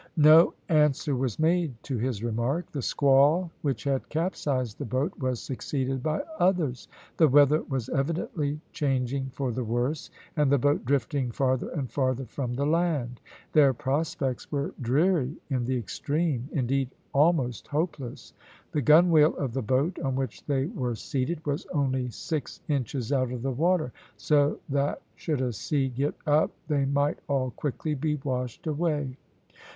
No answer was made to his remark. The squall which had capsized the boat was succeeded by others. The weather was evidently changing for the worse, and the boat drifting farther and farther from the land. Their prospects were dreary in the extreme, indeed almost hopeless. The gunwale of the boat on which they were seated was only six inches out of the water, so that should a sea get up they might all quickly be washed away.